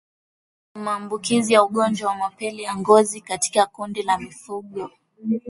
Kiwango cha maambukizi ya ugonjwa wa mapele ya ngozi katika kundi la mifugo